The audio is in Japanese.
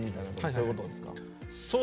そういうことですか？